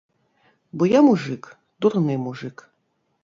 Бо я мужык, дурны мужык.